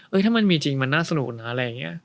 ถ้ามันมีจริงมันน่าสนุกนะอะไรอย่างนี้